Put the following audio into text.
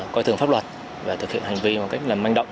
coi thường pháp luật và thực hiện hành vi một cách là manh động